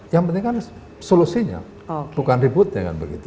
yang penting kan solusinya bukan ributnya